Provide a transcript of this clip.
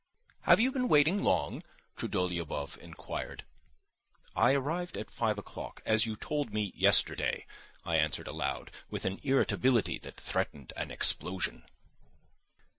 "Have you been waiting long?" Trudolyubov inquired. "I arrived at five o'clock as you told me yesterday," I answered aloud, with an irritability that threatened an explosion.